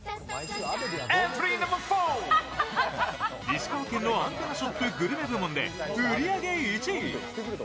石川県のアンテナショップグルメ部門で売り上げ１位。